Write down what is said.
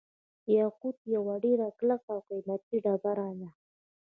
یاقوت یوه ډیره کلکه او قیمتي ډبره ده.